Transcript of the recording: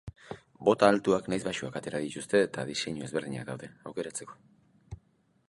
Bota altuak nahiz baxuak atera dituzte eta diseinu ezberdinak daude aukeratzeko.